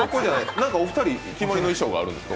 何かお二人、決まりの衣装があるんですか？